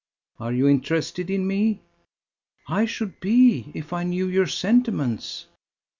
Are you interested in me?" "I should be if I knew your sentiments."